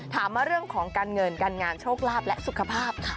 ถามมาเรื่องของการเงินการงานโชคลาภและสุขภาพค่ะ